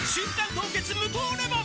凍結無糖レモン」